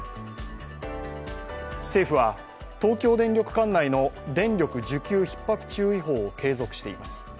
政府は東京電力管内の電力需給ひっ迫注意報を継続しています。